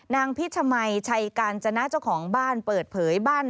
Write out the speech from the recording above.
พิชมัยชัยกาญจนะเจ้าของบ้านเปิดเผยบ้าน